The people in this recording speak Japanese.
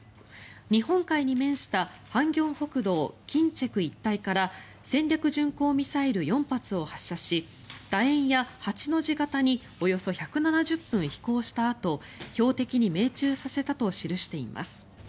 日本海に面した咸鏡北道金策一帯から戦略巡航ミサイル４発を発射し楕円や８の字形におよそ１７０分飛行したあと標的に命中させたと記しています。